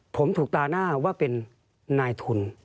ผมถูกตาหน้าว่าเป็นนายทุน